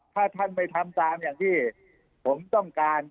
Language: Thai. ถ้าท่านไม่ทำตามอย่างที่ผมต้องการ